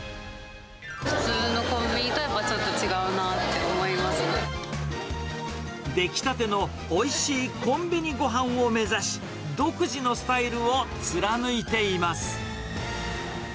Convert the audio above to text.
普通のコンビニとは、やっぱ出来たてのおいしいコンビニごはんを目指し、独自のスタイルを貫いています。